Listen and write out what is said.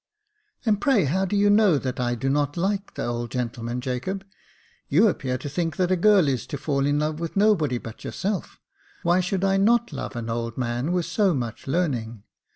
" And, pray, how do you know that I do not like the old gentleman, Jacob ? You appear to think that a girl is to fall in love with nobody but yourself. Why should I not love an old man with so much learning